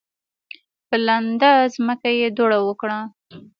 په لنده ځمکه یې دوړه وکړه.